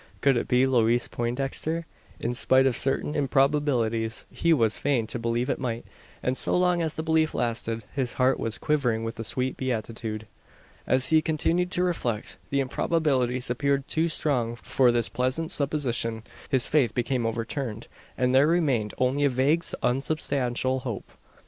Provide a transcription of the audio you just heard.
Could it be Louise Poindexter? In spite of certain improbabilities, he was fain to believe it might; and, so long as the belief lasted, his heart was quivering with a sweet beatitude. As he continued to reflect, the improbabilities appeared too strong for this pleasant supposition; his faith became overturned; and there remained only a vague unsubstantial hope.